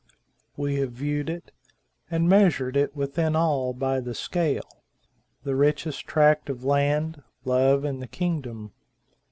"We have view'd it, And measur'd it within all, by the scale The richest tract of land, love, in the kingdom!